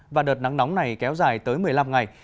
và đợt nắng nóng này kéo dài tới một mươi năm ngày